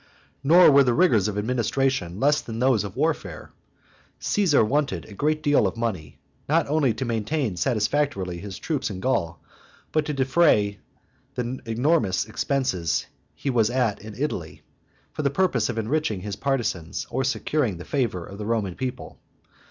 Nor were the rigors of administration less than those of warfare. Caesar wanted a great deal of money, not only to maintain satisfactorily his troops in Gaul, but to defray the enormous expenses he was at in Italy, for the purpose of enriching his partisans, or securing the favor of the Roman people.